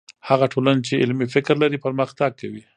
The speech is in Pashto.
هغه ټولنه چې علمي فکر لري، پرمختګ کوي.